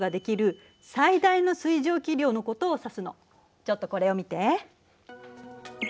ちょっとこれを見て。